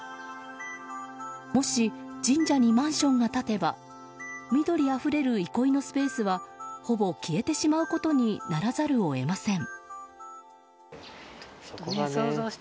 もし神社にマンションが建てば緑あふれる憩いのスペースはほぼ消えてしまうことにならざるを得ません。